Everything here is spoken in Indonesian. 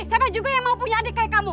siapa juga yang mau punya adik kayak kamu